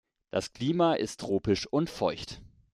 Das Klima ist tropisch und feucht.